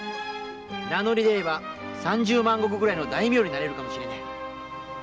名のり出れば三十万石ぐらいの大名になれるかもしれねえ。